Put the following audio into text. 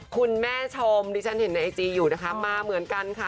คุณผู้ชมดิฉันเห็นในไอจีอยู่นะคะมาเหมือนกันค่ะ